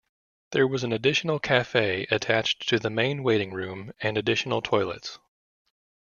There was an additional cafe attached to the main waiting room and additional toilets.